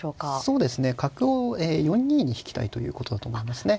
そうですね角を４二に引きたいということだと思いますね。